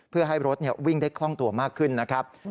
เพื่อให้รถวิ่งได้คล่องตัวมากขึ้นนะครับ